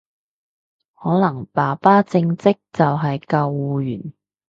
可能爸爸正職就係救護員